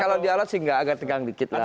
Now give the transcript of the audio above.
kalau di alat sih nggak agak tegang dikit lah